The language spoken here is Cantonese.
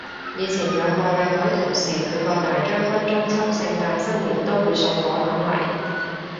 以前有個靚女同事，佢個大將軍中秋聖誕新年都會送果籃嚟